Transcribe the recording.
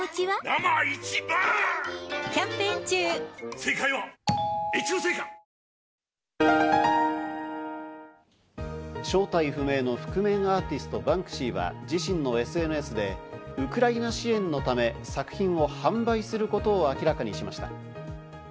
正体不明な覆面アーティスト、バンクシーは自身のＳＮＳでウクライナ支援のため、作品を販売することを明らかにしました。